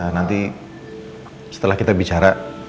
nanti setelah kita bicara